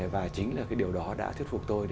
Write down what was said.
và chính là cái điều đó đã thuyết phục chúng ta